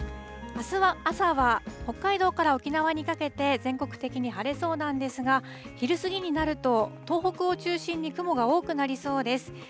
あすの朝は、北海道から沖縄にかけて、全国的に晴れそうなんですが、昼過ぎになると東北を中心に雲が多くなりそうです。